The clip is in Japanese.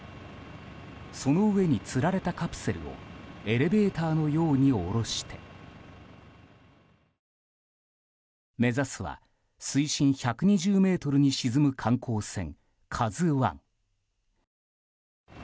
その上につられたカプセルをエレベーターのようにおろして目指すは水深１２０ｍに沈む観光船「ＫＡＺＵ１」。